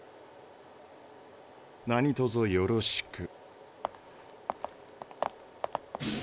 なにとぞよろしく。